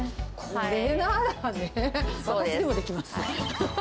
これならね、私でもできます。